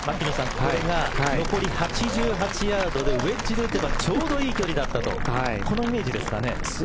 これが残り８８ヤードでウエッジで打てばちょうどいい距離だったとこのイメージですかね。